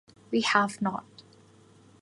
We have not.